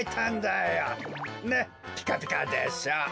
ねっピカピカでしょ？